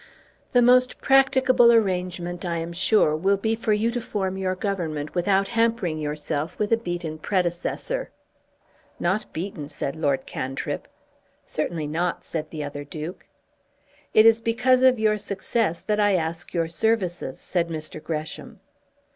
"The most practicable arrangement, I am sure, will be for you to form your Government without hampering yourself with a beaten predecessor." "Not beaten," said Lord Cantrip. "Certainly not," said the other Duke. "It is because of your success that I ask your services," said Mr. Gresham.